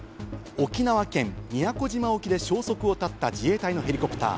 沖縄県宮古島沖で消息を絶った自衛隊のヘリコプター。